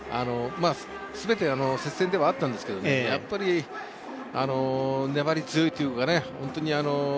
すべて接戦ではあったんですけどやっぱり粘り強いというか